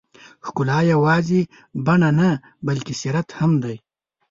ښکلا یوازې بڼه نه، بلکې سیرت هم دی.